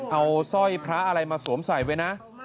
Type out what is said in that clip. เอาสร้อยพระอะไรมาสวมใส่ไว้นะ